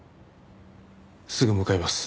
すぐ向かいます。